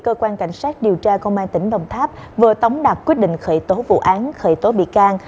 cơ quan cảnh sát điều tra công an tỉnh đồng tháp vừa tống đạt quyết định khởi tố vụ án khởi tố bị can